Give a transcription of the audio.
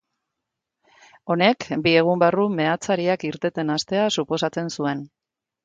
Honek, bi egun barru meatzariak irteten hastea suposatzen zuen.